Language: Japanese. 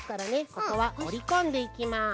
ここはおりこんでいきます。